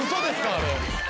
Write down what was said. あれ。